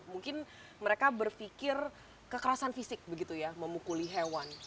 mungkin mereka berpikir kekerasan fisik begitu ya memukuli hewan